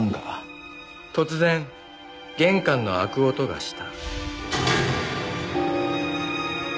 「突然玄関の開く音がした」